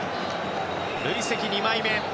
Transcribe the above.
累積２枚目。